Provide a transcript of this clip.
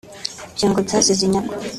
Ibyo ngo byasize inyagwa